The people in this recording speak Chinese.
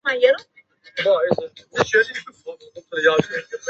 本属的化石物种存在于渐新世到上新世的欧洲。